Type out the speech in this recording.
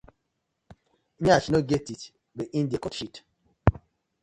Yansh no get teeth but e dey cut shit: